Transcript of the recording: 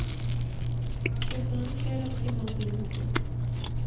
KkateƔ amek ara qqimeƔ d ilemẓi.